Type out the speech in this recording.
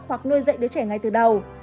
hoặc nuôi dạy đứa trẻ ngay từ đầu